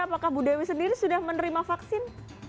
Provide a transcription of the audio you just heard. apakah bu dewi sendiri sudah menerima vaksin